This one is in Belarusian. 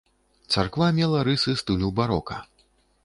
Царква мела рысы стылю барока.